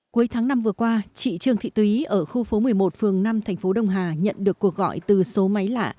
cuối tháng năm vừa qua chị trương thị tùy ở khu phố một mươi một phường năm tp đông hà nhận được cuộc gọi từ số máy lạ